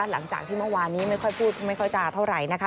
หลังจากที่เมื่อวานนี้ไม่ค่อยพูดไม่ค่อยจะเท่าไหร่นะคะ